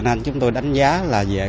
vậy thủ phạm là ai